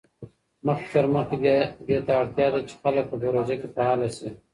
مخکي تر مخکي، دې ته اړتیا ده چي خلګ په پروژه کي فعاله سي.